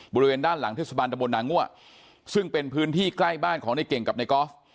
บริเวณด้านหลังเทศบาลตะบนนางั่วซึ่งเป็นพื้นที่ใกล้บ้านของในเก่งกับในกอล์ฟ